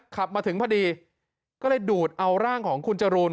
ขับมาถึงพอดีก็เลยดูดเอาร่างของคุณจรูน